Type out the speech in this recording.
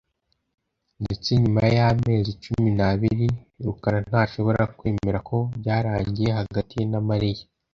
Ndetse nyuma y'amezi cumi n'abiri, rukarantashobora kwemera ko byarangiye hagati ye na Mariya.